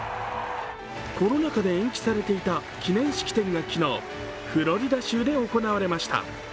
コロナ禍で延期されていた記念式典が昨日、フロリダ州で行われました。